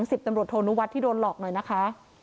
สิบตำรวจโทนุวัฒน์ที่โดนหลอกหน่อยนะคะ